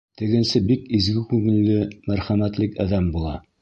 Тегенсе бик изге күңелле, мәрхәмәтле әҙәм була.